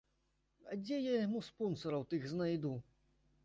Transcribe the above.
А дзе я яму спонсараў тых знайду?!